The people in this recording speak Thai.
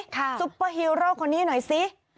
ซุปเปอร์ฮีโร่คนนี้หน่อยสิ